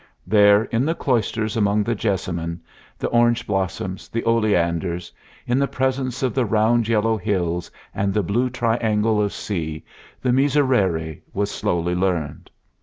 There, in the cloisters among the jessamine, the orange blossoms, the oleanders, in the presence of the round yellow hills and the blue triangle of sea, the Miserere was slowly learned.